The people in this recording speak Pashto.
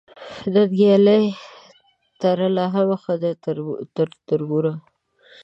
ننګیالۍ ترله هم ښه ده تر تربوره